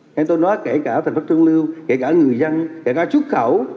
nghe tôi nói kể cả thành phố trương lưu kể cả người dân kể cả xuất khẩu